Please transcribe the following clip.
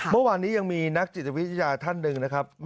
เมื่อวานนี้ยังมีนักจิตวิทยาท่านหนึ่งนะครับ